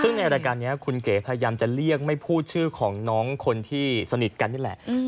ซึ่งในรายการนี้คุณเก๋พยายามจะเรียกไม่พูดชื่อของน้องคนที่สนิทกันนี่แหละ